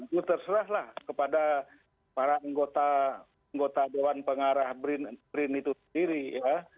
itu terserahlah kepada para anggota dewan pengarah brin itu sendiri ya